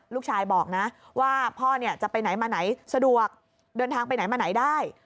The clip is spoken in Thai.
ลูกชายบอกนะว่าพ่อจะไปไหนมาไหนสะดวกเดินทางไปไหนมาไหนได้